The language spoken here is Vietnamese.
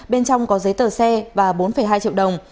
bên trong có giấy tờ xe và bốn hai triệu đồng